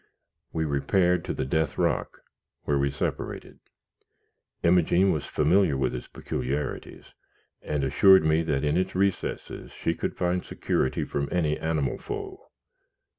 We repaired to the "Death Rock," where we separated. Imogene was familiar with its peculiarities, and assured me that in its recesses she could find security from any animal foe.